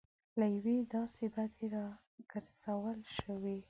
له یوې داسې بدۍ راګرځول شوي.